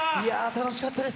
楽しかったです。